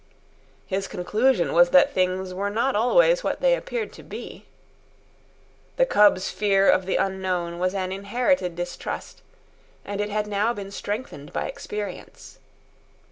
His conclusion was that things were not always what they appeared to be. The cub's fear of the unknown was an inherited distrust, and it had now been strengthened by experience.